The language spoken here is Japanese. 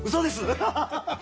アハハハハ！